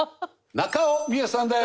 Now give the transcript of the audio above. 中尾ミエさんです！